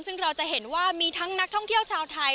ซึ่งเราจะเห็นว่ามีทั้งนักท่องเที่ยวชาวไทย